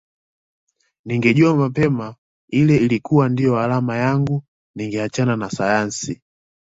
Ningejua mapema ile ilikuwa ndiyo alama yangu ningeachana na sayansi